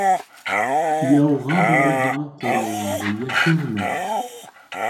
Яуға барһаң, ҡоралыңды йәшермә.